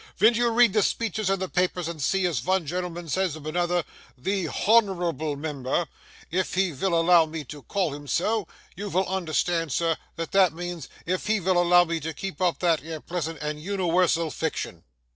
Ven you read the speeches in the papers, and see as vun gen'lman says of another, "the _h_onourable member, if he vill allow me to call him so," you vill understand, sir, that that means, "if he vill allow me to keep up that 'ere pleasant and uniwersal fiction."